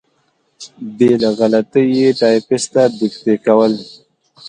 بې له غلطۍ یې ټایپېسټ ته دیکته کول.